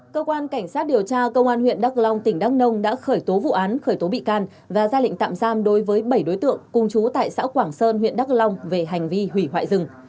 cơ quan cảnh sát điều tra công an huyện đắk long tỉnh đắk nông đã khởi tố vụ án khởi tố bị can và ra lệnh tạm giam đối với bảy đối tượng cung chú tại xã quảng sơn huyện đắk long về hành vi hủy hoại rừng